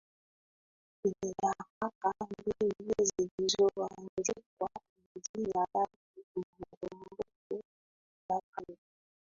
ina nyaraka mbili zilizoandikwa kwa jina lake Kumbukumbu ya kale